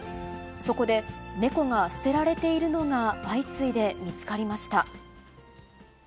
そこで、猫が捨てられているのが相次いで見つかりました。